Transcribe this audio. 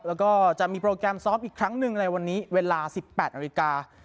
แล้วก็จะมีโปรแกรมซ้อมอีกครั้งหนึ่งในวันนี้เวลา๑๘นาฬิกา